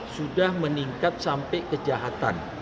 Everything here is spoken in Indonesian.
sudah meningkat sampai kejahatan